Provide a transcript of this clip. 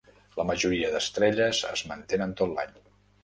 La majoria d'estrelles es mantenen tot l'any.